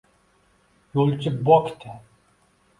Yo’lchi bokdi